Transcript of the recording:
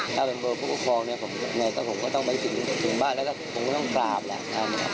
ถ้าเป็นเบอร์ผู้ปกครองเนี่ยผมยังไงก็ผมก็ต้องไปถึงบ้านแล้วก็ผมก็ต้องกราบแหละ